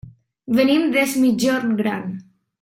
Venim des Migjorn Gran.